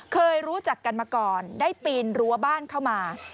เคยรู้จักกันมาก่อนได้ปีนรั้วบ้านเข้ามา